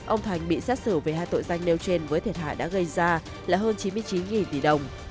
ông thành bị xét xử về hai tội danh nêu trên với thiệt hại đã gây ra là hơn chín mươi chín tỷ đồng